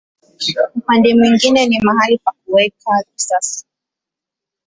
Upande mwingine ni mahali pa kuweka risasi.